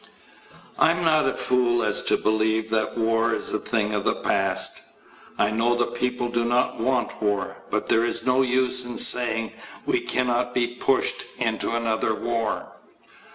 I am not a fool as to believe that war is a thing of the past. I know the people do not want war, but there is no use in saying we cannot be pushed into another war.